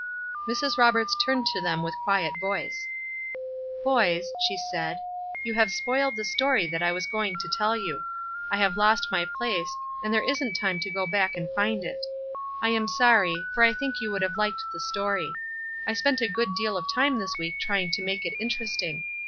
Mrs. Roberts turned to them with quiet voice: "Boys," she said, "you have spoiled the story that I was going to tell you. I have lost my place, and there isn't time to go back and find it. I am sorry, for I think you would have liked the story. I spent a good deal of time this week trying to make it interesting.